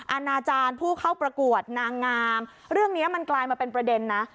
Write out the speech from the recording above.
อาณาจารย์ผู้เข้าประกวดนางงามเรื่องนี้มันกลายมาเป็นประเด็นนะ